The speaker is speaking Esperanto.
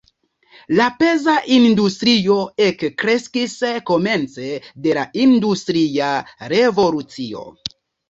La peza industrio ekkreskis komence de la industria revolucio.